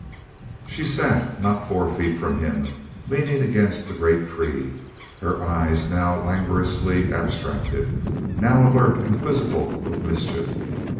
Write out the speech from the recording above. She sat not four feet from him, leaning against the great tree, her eyes now languorously abstracted, now alert and quizzical with mischief.